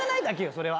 それは。